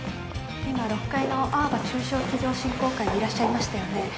今６階のあおば中小企業振興会にいらっしゃいましたよね？